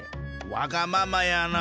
わがままやな。